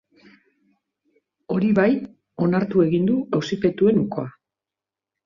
Hori bai, onartu egin du auzipetuen ukoa.